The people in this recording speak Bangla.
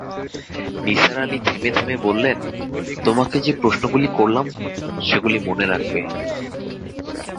নিসার আলি থেমে-থেমে বললেন, তোমাকে যে-প্রশ্নগুলি করলাম, সেগুলি মনে রাখবে।